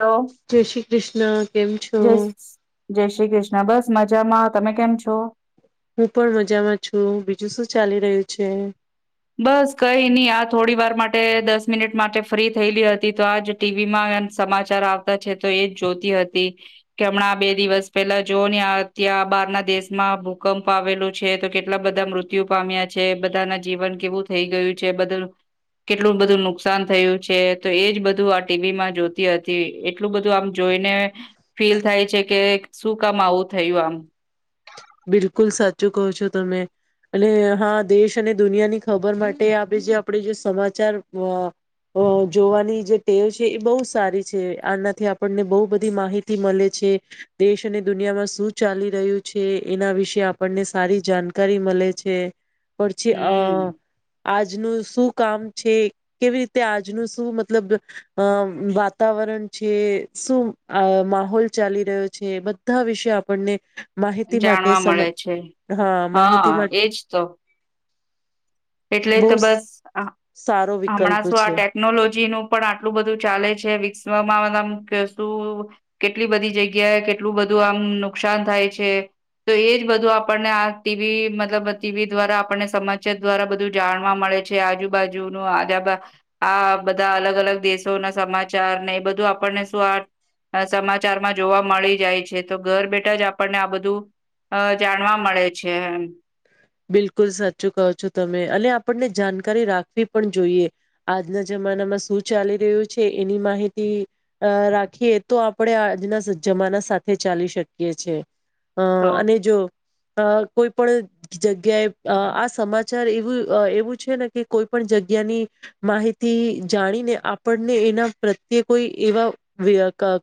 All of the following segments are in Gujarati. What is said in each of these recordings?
હલો જય શ્રી કૃષ્ણ કેમ છો જય જય શ્રી કૃષ્ણ બસ મજામાં. તમે કેમ છો. હું પણ મજામાં છું. બીજું શું ચાલી રહ્યું છે? બસ કઈ નહી આ થોડી વાર માટે દસ મિનિટ માટે ફ્રી થયેલી હતી તો આજ ટીવીમાં સમાચાર આવતા છે. તો એજ જોતી હતી કે હમણાં આ બે દિવસ પહેલા જોઓ હ આ ત્યાં બહાર ના દેશમાં ભૂકંપ આવેલું છે. તો કેટલા બધા મૃત્યુ પામ્યા છે. બધાના જીવન કેવું થઈ ગયું છે. બધ કેટલું બધું નુકસાન થયું છે. તો એજ બધું આ ટીવીમાં જોતી હતી એટલું બધું આમ જોઈને ફીલ થાય છે. કે શું કામ આવું થયું આમ. બિલકુલ સાચું કહો છો. તમે અને હા દેશ અને દુનિયાની ખબર માટે આ જે આપણે જે સમાચાર જોવાની જે ટેવ છે. એ બહુ સારી છે. આનાથી આપણને બહુ બધી માહિતી મળે છે દેશ અને દુનિયામાં શું ચાલી રહ્યું છે એના વિશે આપણને સારી જાનકારી મલે છે. પડછી અ હમ આજ. આજનું શું કામ છે. કેવી રીતે આજનું શું મતલબ વાતાવરણ છે. શું માહોલ ચાલી રહ્યો છે. બધા વિશે આપણને માહિત જાણવા મળે છે, હા માહિતી માટે એજ તો. એટલે બહુ તો બસ સારો વિકલ્પ હમણાં શું આ છે ટેકનોલોજી નું પણ આટલું બધું ચાલે છે વિકા [inaudible] કશું કેટલી બધી જગ્યાએ કેટલું બધું આમ નુકસાન થાય છે, તો એજ બધું આપણને આ ટીવી મતલબ ટીવી દ્વારા આપને સમાચાર દ્વારા બધું જાણવા મળે છે, આજુબાજુનું આજા આ બધા અલગ અલગ દેશો ના સમાચાર ને એ બધું આપણને શું આ સમાચારમાં જોવા મળી જાય છે, તો ઘર બેઠા જ આપણને આ બધું જાણવા મળે છે. બિલકુલ સાચું કો છો તમે અને આપણને જાણકારી રાખવી પણ જોઈએ, આજના જમાનામાં શું ચાલી રહ્યું છે એની માહિતી રાખીએ તો આપણે આજના જમાના સાથે ચાલી શકીએ છે. અ છો. અને જો અ કોઈ પણ જગ્યાએ આ સમાચાર એવું એવું છે, ને કે કોઈ પણ જગ્યાની માહિતી જાણીને આપણને એના પ્રત્યે કોઈ એવા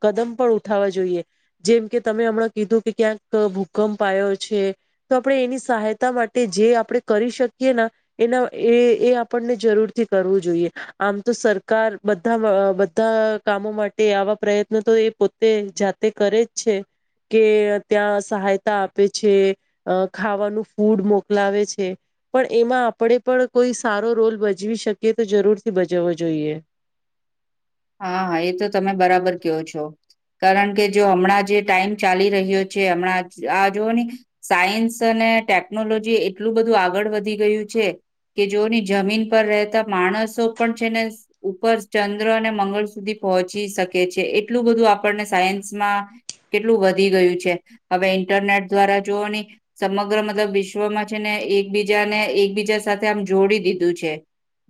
કદમ પણ ઉઠાવા જોઈએ જેમ કે તમે હમણાં કીધું કે ક્યાંક ભૂકંપ આવ્યો છે, તો આપણે એની સહાય પોતા માટે જે આપણે કરી શકીએ એના એ એ આપણને જરૂરથી કરવું જોઈએ આમ તો સરકાર બધા બધા કામો માટે આવા પ્રયત્નો તો એ પોતે જાતે કરે જ છે કે ત્યાં સહાયતા આપે છે ખાવાનું ફૂડ મોકલાવે છે પણ એમાં આપણે પણ કોઈ સારો રોલ ભજવી શકીએ તો જરૂરથી ભજવો જોઈએ. હા હા એ તો તમે બરાબર કો છો. કારણ કે જો હમણાં જે ટાઈમ ચાલી રહ્યો છે હમણાં આ જો ને સાયન્સ અને ટેકનોલોજી એટલું બધું આગળ વધી ગયું છે કે જો ની જમીન પર રહેતા માણસો પણ છે ને ઉપર ચંદ્ર અને મંગળ સુધી પહોંચી શકે છે એટલું બધું આપણને સાયન્સમાં કેટલું વધી ગયું છે, હવે ઈન્ટરનેટ દ્વારા જોવ ની સમગ્ર મતલબ વિશ્વમાં છે ને એકબીજાને એકબીજા સાથે આમ જોડી દીધું છે,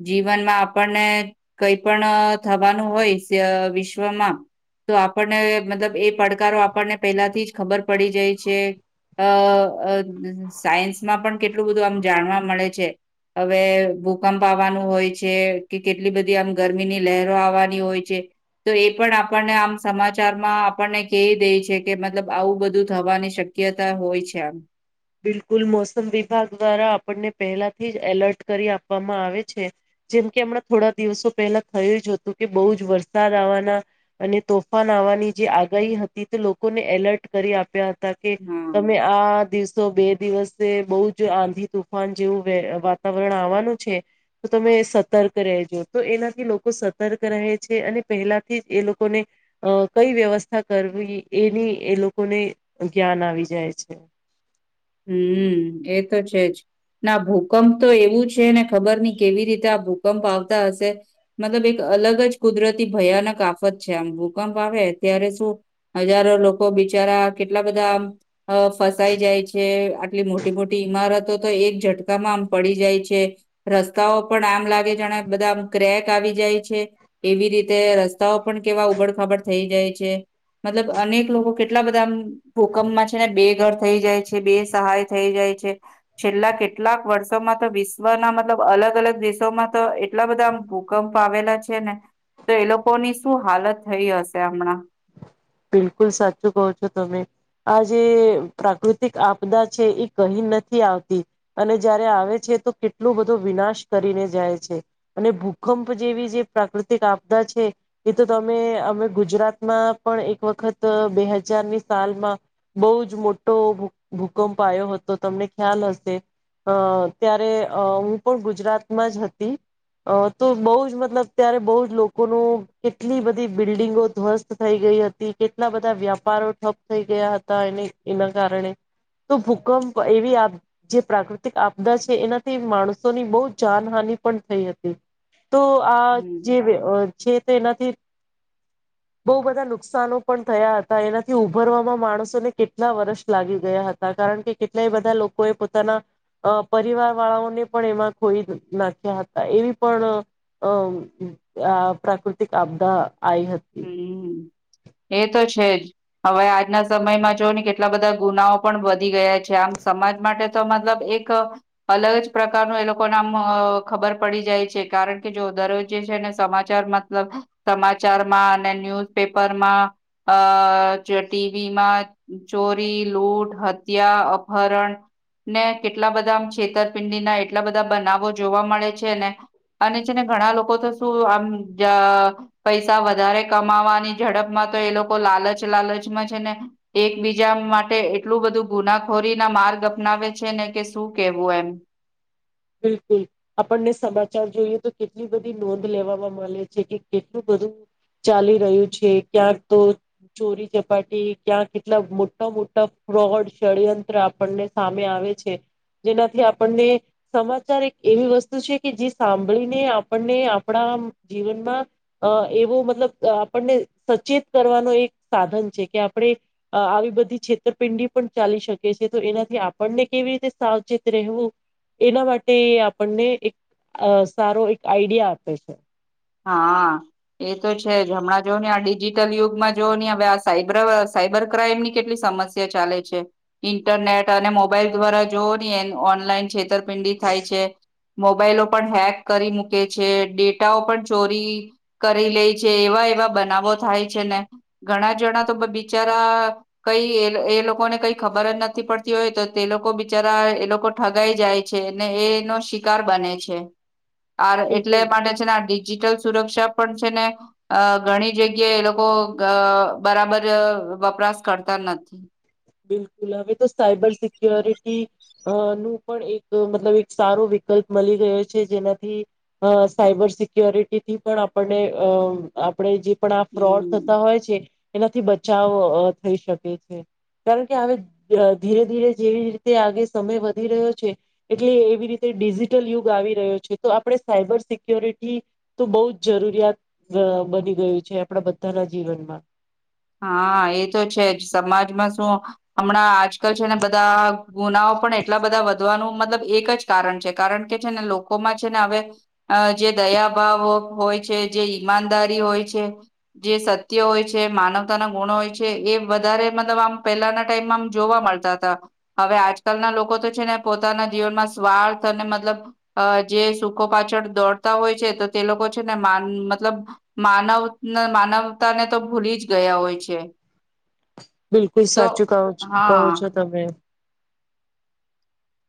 જીવનમાં આપણને કઈ પણ થવાનું હોય વિશ્વમાં તો આપણને મતલબ એ પડકારો આપણને પહેલાથી જ ખબર પડી જાય છે, અ સાયન્સમાં પણ કેટલું બધું આમ જાણવા મળે છે હવે ભૂકંપ આવવાનું હોય છે, કે કેટલી બધી આમ ગરમીની લહેરો આવવાની હોય છે, તો એ પણ આપણને આમ સમાચારમાં આપણને કહી દે છે, કે મતલબ આવું બધું થવાની શક્યતા હોય છે, આમ બિલકુલ મોસમ વિભાગ દ્વારા આપણને પહેલાથી જ એલર્ટ કરી આપવામાં આવે છે જેમ કે હમણાં થોડા દિવસો પહેલા થયું જ હતું કે બઉજ વરસાદ આવવાના અને તોફાન આવવાની જે આગાહી હતી તો લોકોને એલર્ટ કરી આપ્યા હતા. કે હા. તમે આ દિવસ બે દિવસે બહુ જ આંધી તુફાન જેવું વાતાવરણ આવવાનું છે, તો તમે સતર્ક રહેેજો તો એનાથી લોકો સતર્ક રહે છે, અને પહેલાથી જ એ લોકોને કઈ વ્યવસ્થા કરવી એની એ લોકો લોકોને જ્ઞાન આવી જાય છે. હમ્મ એ તો છે જ ના ભૂકંપ તો એવું છે, ને ખબર નહી કેવી રીતે આ ભૂકંપ આવતા હશે મતલબ એક અલગ જ કુદરતી ભયાનક આફત છે, આમ ભૂકંપ આવે ત્યારે શું હજારો લોકો બિચારા કેટલા બધામ ફસાઈ જાય છે. આટલી મોટી મોટી ઈમારતો તો એક ઝટકામાં આમ પડી જાય છે, રસ્તાઓ પણ આમ લાગે જાણે બધા આમ ક્રેક આવી જાય છે એવી રીતે રસ્તાઓ પણ કેવા ઉબડખાબડ થઈ જાય છે, મતલબ અનેક લોકો કેટલા બધામ ભૂકંપમાં છે ને બે ઘર થઈ જાય છે. જે બે સહાય થઈ જાય છે છેલ્લા કેટલાક વર્ષોમાં તો વિશ્વના મતલબ અલગ અલગ દેશોમાં તો એટલા બધા ભૂકંપ આવેલા છે ને તો એ લોકોની શું હાલત થઈ હશે હમણાં. બિલકુલ સાચું કો છો તમે આજે પ્રાકૃતિક આપદા છે એ કહી નથી આવતી અને જયારે આવે છે તો કેટલો બધો વિનાશ કરીને જાય છે, અને ભૂકંપ જેવી જે પ્રાકૃતિક આપદા છે એ તો તમે અમે ગુજરાતમાં પણ એક વખત બે હજારની સાલમાં બઉ જ મોટો ભૂકંપ આવ્યો હતો તમને ખ્યાલ હશે અ ત્યારે હું પણ ગુજરાતમાં જ હતી તો બહ જ મતલબ ત્યારે બહુ જ લોકોનું કેટલી બધી બિલ્ડિંગો ધ્વસ્ત થઈ ગઈ હતી કેટલા બધા વ્યાપારો ઠપ થઈ ગયા હતા એની એના કારણે તો ભૂકંપ એવી જે પ્રાકૃતિક આપદા છે એનાથી માણસોની બહુ જાનહાની પણ થઈ હતી. તો આ હમ જે [inaudible] તેનાથી બો બધા નુકસાનો પણ થયા હતા એનાથી ઉભરવામાં માણસોને કેટલા વર્ષ લાગી ગયા હતા કારણ કે કેટલાય બધા લોકોએ પોતાના પરિવાર વાળાઓને પણ એમાં ખોઈ નાખ્યા હતા એવી પણ અ આ પ્રાકૃતિક આપદા આઈ હતી. હમ એ તો છે જ હવે આજના સમયમાં જો ને કેટલા બધા ગુનાઓ પણ વધી ગયા છે, આમ સમાજ માટે તો મતલબ એક અલગ જ પ્રકારનું એ લોકોને આમ ખબર પડી જાય છે, કારણ કે જો દરરોજ્જે છેને સમાચાર મતલબ સમાચાર માં અને ન્યુઝ પેપરમાં અ ટીવીમાં ચોરી લૂટ હત્યા અપહરણ ને કેટલા બધા આમ છેતરપિંડી ના એટલા બધા બનાવો જોવા મળે છે ને અને છે ને ઘણા લોકો તો શું આમ જ પૈસા વધારે કમાવાની ઝડપમાં તો એ લોકો લાલચ લાલચમાં છે, ને એકબીજા માટે એટલું બધું ગુનાખોરી ના માર્ગ અપનાવે છે ને કે શું કેવું એમ બિલકુલ આપણને સમાચાર જોઈએ તો કેટલી બધી નોંધ લેવામાં મલે છે, કે કેટલું બધું ચાલી રહ્યું છે ક્યાં તો ચોરી ચપાટી ક્યાં કેટલા મોટા મોટા ફ્રોડ ષડયંત્ર આપણને સામે આવે છે, જેનાથી આપણને સમાચાર એક એવી વસ્તુ છે કે જે સાંભળીને આપણને આપણા જીવનમાં એવો મતલબ આપણને સચેત કરવાનો એક સાધન છે, કે આપણે આવી બધી છેતરપિંડી પણ ચાલી શકીએ છેએ તો એનાથી આપણને કેવી રીતે સાવચેત રહેવું, એના માટે આપણને એક સારો એક આઈડિયા આપે છે. હા, એ તો છે હમણાં જોવ હી આ ડિજિટલ યુગમાં જોઓ નહી હવે આ સાયબર સાઈબર ક્રાઈમ ની કેટલી સમસ્યા ચાલે છે, ઇન્ટરનેટ અને મોબાઈલ દ્વારા જોવઓ હી એ ઓનલાઈન છેતર પિંડી થાય છે. મોબાઈલો પણ હેક કરી મૂકે છે. ડેટાઓ પણ. ચોરી કરી લે છે. એવા એવા બનાવો થાય છે. ને ઘણા જણા તો બિચારા કઈ એ એ લોકોને કઈ ખબર જ નથી પડતી હોય તો તે લોકો બિચારા એ લોકો ઠગાઈ જાય છે. ને એનો શિકાર બને છે. આ એટલે બિલકુલ માટે છેનેડી. સુરક્ષા પણ છે. ને અ ઘણી જગ્યાએ એ લોકો બરાબર વપરાશ કરતા નથી. બિલકુલ હવે તો સાયબર સિક્યોરિટી અ નું પણ એક મતલબ એક સારો વિકલ્પ મળી ગયો છે. જેનાથી અ સાયબર સિક્યોરિટીથી પણ આપણને અ આપણે જે. પણ આ ફ્રોડ હમ થતા હોય છે. એનાથી બચાવ થઈ શકે છે. કારણ કે હ ધીરે ધીરે જેવી રીતે આગે સમય વધી રહ્યો છે. એટલે એવી રીતે ડિજિટલ યુગ આવી રહ્યો છે. તો આપણે સાયબર સિક્યોરિટી તો બહુ જ જરૂરિયાત બની ગયું છે. આપણા બધાના જીવનમાં. હા. એ તો છે જ સમાજમાં શું હમણાં આજકાલ છે. ને બધા ગુનાઓ પણ એટલા બધા વધવાનું મતલબ એક જ કારણ છે. કારણ કે છે ને લોકોમાં છે. ને હવે જે. દયાભાવ હોય છે જે ઈમાનદારી હોય છે જે સત્ય હોય છે માનવ ગુણો હોય છે. એ વધારે મતલબ આમ પેલાના ટાઈમમાં આમ જોવા મળતા હતા હવે આજકાલના લોકો તો છે. ને પોતાના જીવનમાં સ્વાર્થ અને મતલબ જે સુખો પાછળ દોડતા હોય છે તો તે લોકો છે. નેન મતલબ માનવ માનવતા ને તો ભૂલી જ. ગયા હોય છે. બિલકુલ તો સાચું ક કહો હા છો તમે.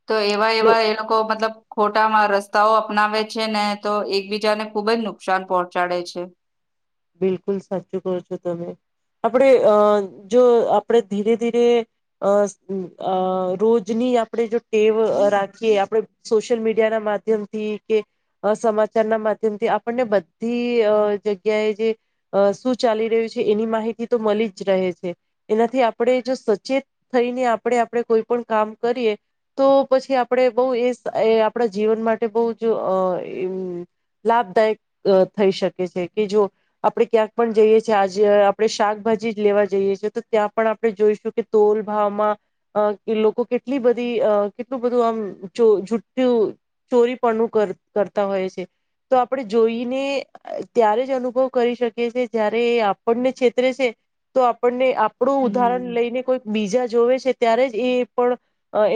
તો એવા લો એવા એ લોકો મતલબ. ખોટામાં રસ્તાઓ અપનાવે છે. ને તો એકબીજાને ખુબ જ નુકસાન પહોંચાડે છે. બિલકુલ સાચું કો છો તમે આપડણે અ જો આપણે ધીરે ધીરે અ રોજની આપણે જો ટેવ રાખીએ આપણે સોશિયલ મીડિયા ના માધ્યમ થી કે સમાચાર ના. માધ્યમથી આપણને બધી જગ્યા. જગ્યાએ જે શું ચાલી રહ્યું છે. એની માહિતી તો મળી જ રહે છે એનાથી આપણે જો સચેત થઈને આપણે આપણે કોઈ પણ કામ કરીએ તો પછી આપણે બહ એ આપણા જીવન માટે બહ જ લાભદાયક થઈ શકે છે કે જો આપણે ક્યાંક પણ જઈએ છીએ. આજે આપણે શાકભાજી જ લેવા જઈએ છેએ. તો ત્યાં પણ આપણે જોઈશું કે તોલ ભાવમાં કે લોકો કેટલી બધી અ કેટલું બધું આમ જુઠું ચોરી પણું કરતા હોય છે. તો આપણે જોઈને. ત્યારે જ અનુભવ કરી શકીએ છીએ. જય્યારે એ આપણને છેતરે છે તો આપણને. આપડું ઉદાહરણ હમ. લઈને કોઈક બીજા જોવે છે. ત્યારે જ એ પણ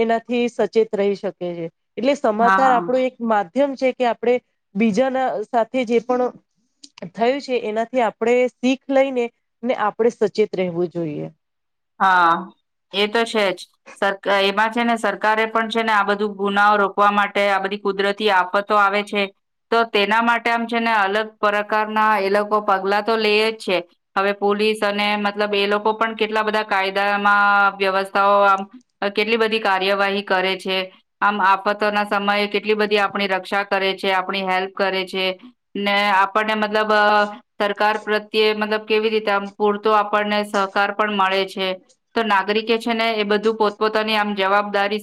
એનાથી સચેત રહી શકે છે. એટલે સમાચાર હા. આપડો એક મા. મા્યમ છે. કે આપણે બીજાના સાથે જે પણ. થયું છે એનાથી આપણે શીખ લઈને ને આપણેે સચેત રહેવું જોઈએ. હા એ તો છે જ સર એમાં છે. ને સરકારે પણ છે ને આ બધું ગુનાઓ રોકવા માટે આ બધી કુદરતી આફતો આવે છે તો તેના માટે આમ છે. ને અલગ પ્રકારના એ લોકો પગલા તો લઈ જ છે. હવે પોલીસ અને મતલબ એ લોકો પણ કેટલા બધા. કાયદામાં વ્યવસ્થાઓ આમ કેટલી બધી કાર્યવાહી કરે છે. આમ આફતોના સમયે કેટલી બધી આપણી રક્ષા કરે છે. આપણી હેલ્પ કરે છે ને આપણને મતલબ સરકાર પ્રત્યે મતલબ કેવી રીતે આમ પૂરતો આપણને સહકાર પણ મળે છે. તો નાગરિકે છે. ને એ બધું પોતપોતાની આમ જવાબદારી.